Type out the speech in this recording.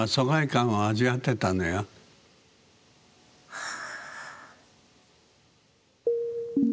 はあ。